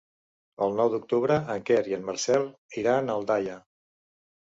El nou d'octubre en Quer i en Marcel iran a Aldaia.